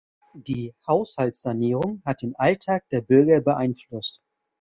Die Haushaltssanierung hat den Alltag der Bürger beeinflusst.